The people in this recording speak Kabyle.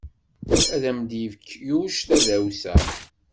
Ad am-yefk Yuc tadawsa.